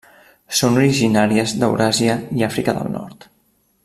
Són originàries d'Euràsia i l'Àfrica del nord.